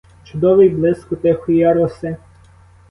Чудовий блиску тихої роси!